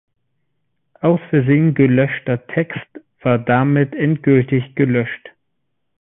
Aus Versehen gelöschter Text war damit endgültig gelöscht.